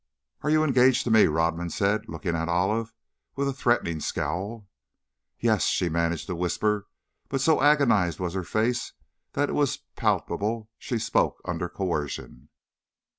"Are you engaged to me?" Rodman said, looking at Olive, with a threatening scowl. "Yes," she managed to whisper, but so agonized was her face that it was palpable she spoke under coercion.